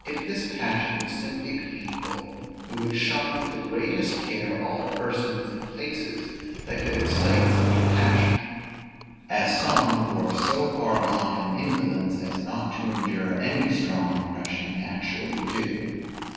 If this passion was simply painful, we would shun with the greatest care all persons and places that could excite such a passion; as some, who are so far gone in indolence as not to endure any strong impression, actually do.